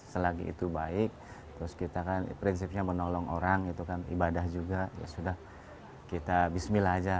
selagi itu baik prinsipnya menolong orang ibadah juga ya sudah kita bismillah saja